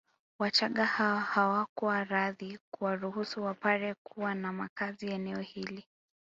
Wachagga hao hawakuwa radhi kuwaruhusu Wapare kuwa na makazi eneo hili